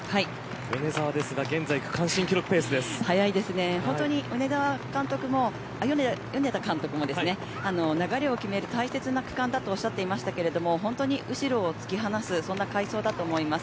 米澤ですが米田監督も流れを決める大切な区間だとおっしゃっていましたが本当に後ろを突き放す快走だと思います。